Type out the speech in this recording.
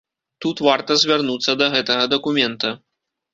Тут варта звярнуцца да гэтага дакумента.